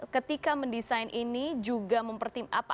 ketika mendesain ini juga mempertimbangkan